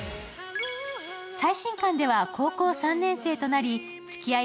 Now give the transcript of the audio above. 最新巻では高校３年生となりつきあい